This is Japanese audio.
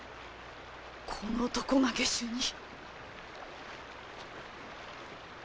この男が下手人！？